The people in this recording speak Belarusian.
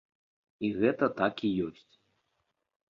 І гэта так і ёсць.